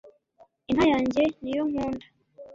inka yanjye niyo nkunda